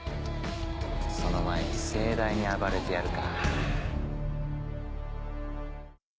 その前に盛大に暴れてやるか。